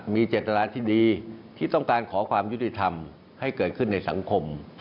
มีเจตนาที่ดีที่ต้องการขอความยุติธรรมให้เกิดขึ้นในสังคม